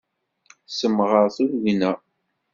Semɣer tugna.